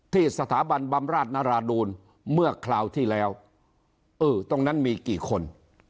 ที่สถาบันบำราชนราดูลเมื่อคราวที่แล้วเออตรงนั้นมีกี่คน